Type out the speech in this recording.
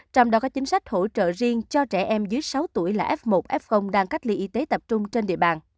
trong đó có chính sách hỗ trợ riêng cho trẻ em dưới sáu tuổi là f một f đang cách ly y tế tập trung trên địa bàn